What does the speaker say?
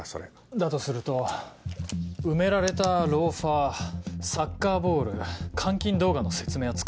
だとすると埋められたローファーサッカーボール監禁動画の説明はつく。